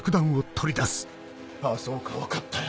あぁそうか分かったよ。